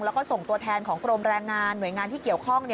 แล้วก็ส่งตัวแทนของกรมแรงงานหน่วยงานที่เกี่ยวข้อง